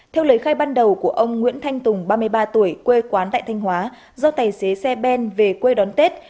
theo lời khai ban đầu của ông nguyễn thanh tùng ba mươi ba tuổi quê quán tại thanh hóa do tài xế xe ben về quê đón tết